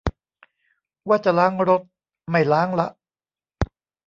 ว่าจะล้างรถ ไม่ล้างละ